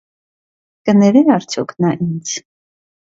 Կներե՞ արդյոք նա ինձ: